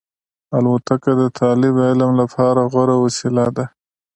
الوتکه د طالب علم لپاره غوره وسیله ده.